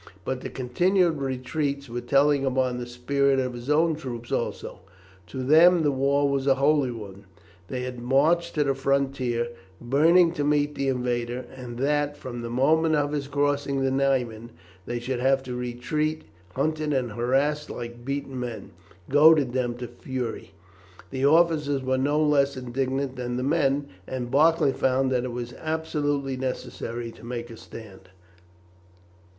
But the continued retreats were telling upon the spirit of his own troops also. To them the war was a holy one. They had marched to the frontier burning to meet the invader, and that, from the moment of his crossing the Niemen, they should have to retreat, hunted and harassed like beaten men, goaded them to fury. The officers were no less indignant than the men, and Barclay found that it was absolutely necessary to make a stand.